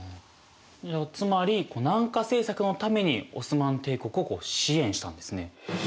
つまり南下政策のためにオスマン帝国を支援したんですね。